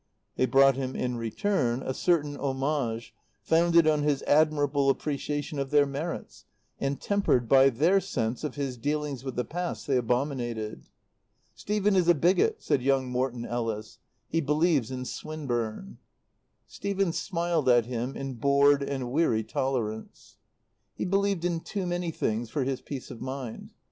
They brought him in return a certain homage founded on his admirable appreciation of their merits and tempered by their sense of his dealings with the past they abominated. "Stephen is a bigot," said young Morton Ellis; "he believes in Swinburne." Stephen smiled at him in bored and weary tolerance. He believed in too many things for his peace of mind.